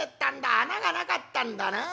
穴がなかったんだなあ。